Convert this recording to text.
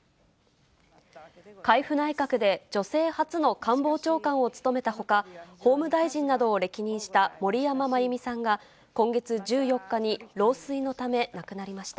海部内閣で、女性初の官房長官を務めたほか、法務大臣などを歴任した森山真弓さんが、今月１４日に老衰のため亡くなりました。